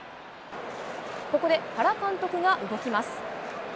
ここで、原監督が動きます。